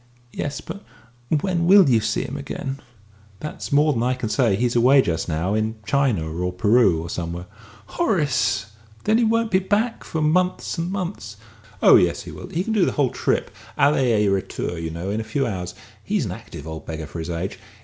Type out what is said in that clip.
"Yes; but when will you see him again?" "That's more than I can say. He's away just now in China, or Peru, or somewhere." "Horace! Then he won't be back for months and months!" "Oh yes, he will. He can do the whole trip, aller et retour, you know, in a few hours. He's an active old beggar for his age.